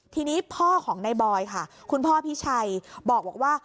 ทีนี้พ่อของในบอยค่ะคุณพ่อพิชัยบอกว่า